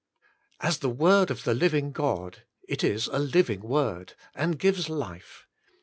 As the word of the Living God it is a living word, and gives life.